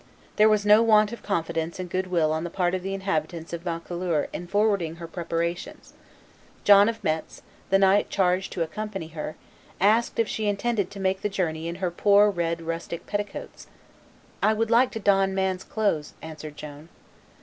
There was no want of confidence and good will on the part of the inhabitants of Vaucouleurs in forwarding her preparations. John of Metz, the knight charged to accompany her, asked her if she intended to make the journey in her poor red rustic petticoats. "I would like to don man's clothes," answered Joan.